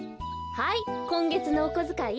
はいこんげつのおこづかい。